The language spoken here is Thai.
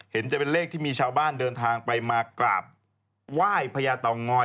จะเป็นเลขที่มีชาวบ้านเดินทางไปมากราบไหว้พญาเตางอย